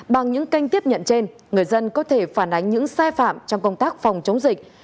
bằng những kênh tiếp nhận trên người dân có thể phản ánh những sai phạm trong công tác phòng chống dịch